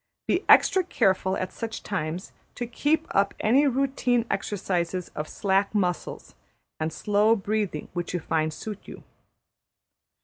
Be extra careful, at such times, to keep up any routine exercises of slack muscles and slow breathing which you find suit you.